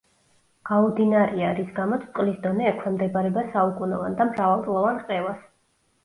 გაუდინარია, რის გამოც წყლის დონე ექვემდებარება საუკუნოვან და მრავალწლოვან რყევას.